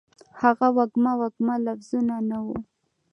هغه وږمه، وږمه لفظونه ، نه وه